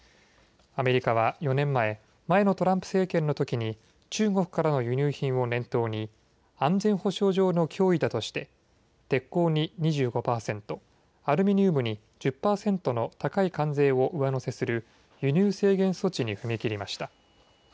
アメリカは４年前、前のトランプ政権のときに中国からの輸入品を念頭に安全保障上の脅威だとして鉄鋼に２５％、アルミニウムに１０％の高い関税を上乗せする輸入制限措置に踏み切りました。